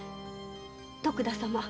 徳田様